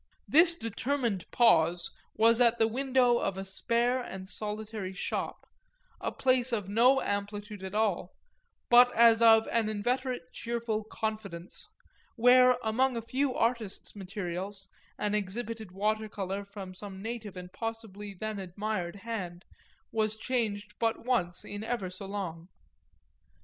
This determined pause was at the window of a spare and solitary shop, a place of no amplitude at all, but as of an inveterate cheerful confidence, where, among a few artists' materials, an exhibited water colour from some native and possibly then admired hand was changed but once in ever so long.